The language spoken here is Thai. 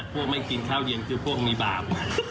ไม่กินข้าวเย็นคือพวกมีบาป